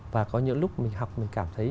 và có những lúc mình học mình cảm thấy